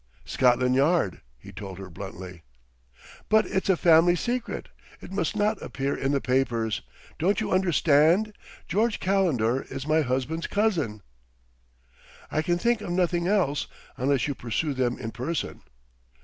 "Scotland Yard," he told her bluntly. "But it's a family secret! It must not appear in the papers. Don't you understand George Calendar is my husband's cousin!" "I can think of nothing else, unless you pursue them in person."